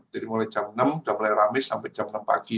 jadi mulai jam enam sudah mulai ramis sampai jam enam pagi